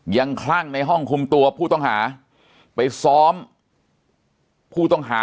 คลั่งในห้องคุมตัวผู้ต้องหาไปซ้อมผู้ต้องหา